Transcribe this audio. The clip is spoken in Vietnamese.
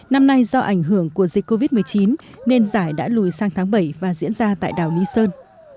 năm nay do ảnh hưởng của dịch covid một mươi chín nên giải đã lùi sang tháng bảy và diễn ra tại đảo lý sơn